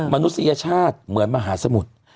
มนุษยชาติเหมือนมหาสมุทร